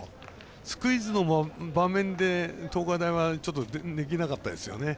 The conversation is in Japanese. スクイズの場面で東海大は、ちょっとできなかったですよね。